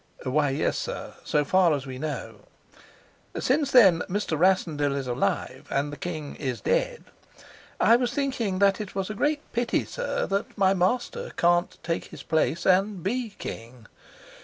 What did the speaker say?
"Why, yes, sir, so far as we know. Since, then, Mr. Rassendyll is alive and the king is dead, I was thinking that it was a great pity, sir, that my master can't take his place and be king."